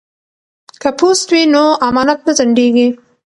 که پوست وي نو امانت نه ځنډیږي.